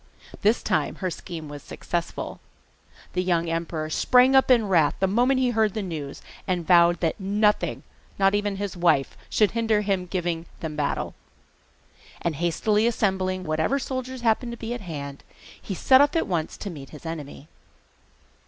This time her scheme was successful. The young emperor sprang up in wrath the moment he heard the news, and vowed that nothing, not even his wife, should hinder his giving them battle. And hastily assembling whatever soldiers happened to be at hand he set off at once to meet the enemy.